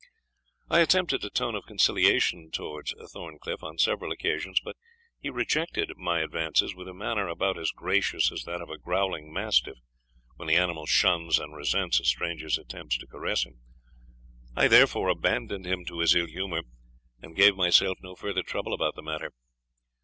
I attempted a tone of conciliation towards Thorncliff on several occasions; but he rejected my advances with a manner about as gracious as that of a growling mastiff, when the animal shuns and resents a stranger's attempts to caress him. I therefore abandoned him to his ill humour, and gave myself no further trouble about the matter.